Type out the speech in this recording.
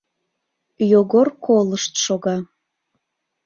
Йогор колышт шога.